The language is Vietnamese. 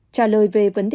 trả lời về vấn đề